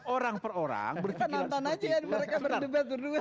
orang per orang berpikiran seperti itu